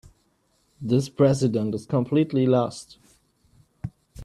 This president is completely lost.